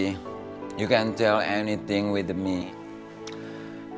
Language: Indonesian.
kamu bisa berbicara apa saja dengan saya